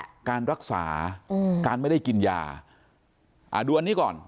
คือการรักษาการไม่ได้กินยาดูอันนี้ก่อน